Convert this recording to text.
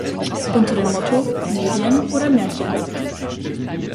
Unter dem Motto "Medien- oder Märchenland?